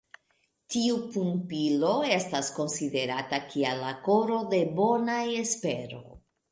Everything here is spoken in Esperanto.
Tiu pumpilo estas konsiderata kiel la koro de Bona Espero.